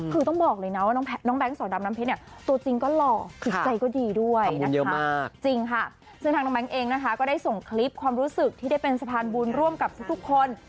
ซึ่งทางเบงก์ก็ได้ส่งคลิปความรู้สึกที่ได้เป็นสะพานบุญร่วงกับทุกคน